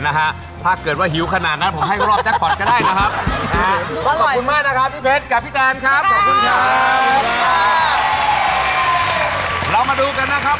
และในเครื่องแรกทั้งสองฝ่ายก็ยังเสมอกันอยู่